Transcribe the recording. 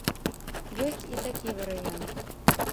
Ёсць і такі варыянт.